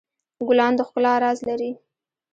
ګلان د ښکلا راز لري.